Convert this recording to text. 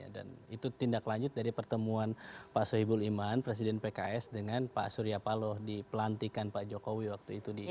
dan itu tindak lanjut dari pertemuan pak sohibul iman presiden pks dengan pak surya paloh di pelantikan pak jokowi waktu itu di dprr